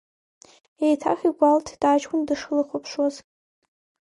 Еиҭах игәалҭеит аҷкәын дышлыхәаԥшуаз.